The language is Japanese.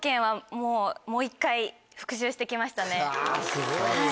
すごいね。